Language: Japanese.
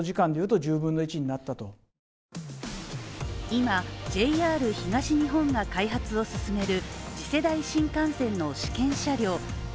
今、ＪＲ東日本が開発を進める次世代新幹線の試験車両